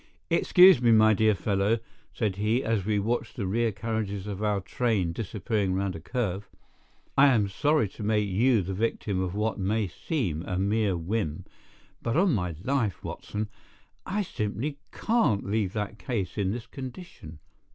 "Excuse me, my dear fellow," said he, as we watched the rear carriages of our train disappearing round a curve, "I am sorry to make you the victim of what may seem a mere whim, but on my life, Watson, I simply can't leave that case in this condition.